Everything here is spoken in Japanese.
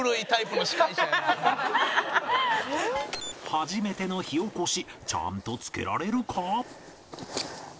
初めての火おこしちゃんとつけられるか？